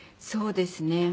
そうですね